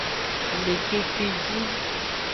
Le kekeji.